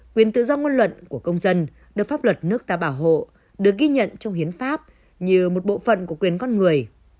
quyền tự do ngôn luận của công dân được pháp luật nước ta bảo hộ được ghi nhận trong hiến pháp như một bộ phận của quyền con người